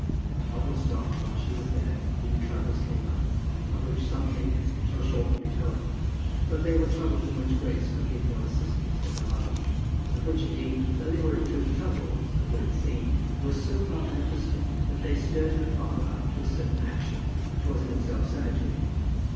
At Hogglestock, while she was there, new troubles came up, of which something shall shortly be told; but they were troubles in which Grace could give no assistance to her mother, and which, indeed, though they were in truth troubles, as will be seen, were so far beneficent that they stirred her father up to a certain action which was in itself salutary.